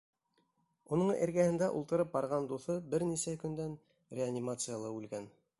Уның эргәһендә ултырып барған дуҫы бер нисә көндән реанимацияла үлгән.